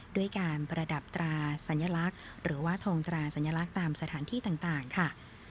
ด้วยการประดับตราสัญลักษณ์หรือว่าทงตราสัญลักษณ์ตามสถานที่ต่างค่ะ